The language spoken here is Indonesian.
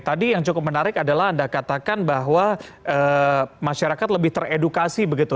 tadi yang cukup menarik adalah anda katakan bahwa masyarakat lebih teredukasi begitu